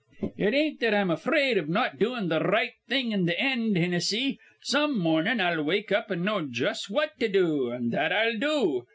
"It ain't that I'm afraid iv not doin' th' r right thing in th' end, Hinnissy. Some mornin' I'll wake up an' know jus' what to do, an' that I'll do.